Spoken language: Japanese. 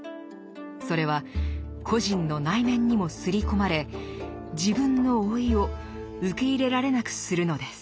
それは個人の内面にも刷り込まれ自分の老いを受け入れられなくするのです。